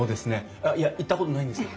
あっいや行ったことないんですけど。